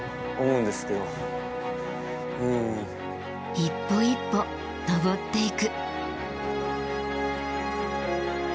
一歩一歩登っていく。